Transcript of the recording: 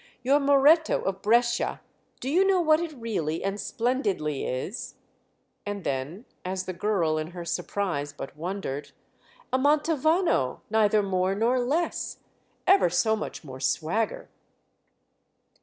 "Your Moretto of Brescia—do you know what it really and spendidly is?" And then as the girl, in her surprise, but wondered: "A Mantovano, neither more nor less. Ever so much more swagger."